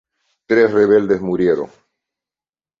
Tres rebeldes murieron.